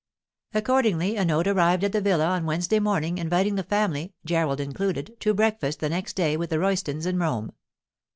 Accordingly a note arrived at the villa on Wednesday morning inviting the family—Gerald included—to breakfast the next day with the Roystons in Rome.